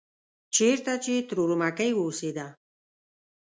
چېرته چې ترور مکۍ اوسېده.